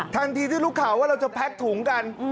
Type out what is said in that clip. ทันทีที่รู้ข่าวว่าเราจะแพ็กถุงกัน